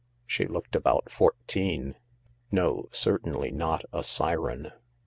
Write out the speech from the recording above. She looked about fourteen. No— certainly not a siren.